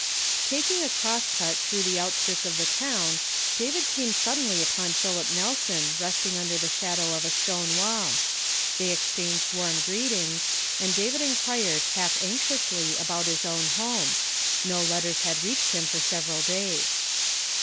TAKING a cross cut tlirougli tlie oiitsldrts of the town, David came suddenly upon Pliilip Nelson resting under the sliadow of a stone wall. They exchanged warm greetings, and David in quired half anxiously about his own home ; no letters had reached him for several days.